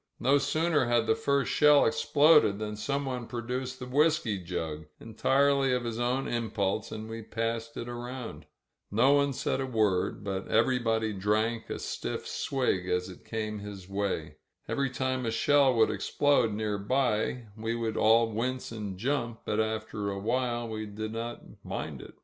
No sooner had the first shell ex ploded than someone produced the whisky jug, entirely of his own impulse, and we passed it around. No one said a word, but everybody drank a stiff swig as it came his way. Every time a shell would explode nearby we would all wince and jump, but after a while we did not mind it.